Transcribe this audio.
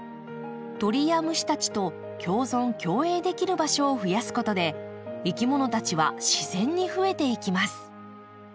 鳥や虫たちと共存共栄できる場所を増やすことでいきものたちは自然に増えていきます。